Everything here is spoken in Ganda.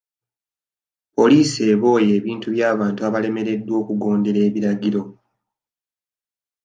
Poliisi eboye ebintu by'abantu abalemereddwa okugondera ebiragiro.